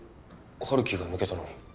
陽樹が抜けたのに？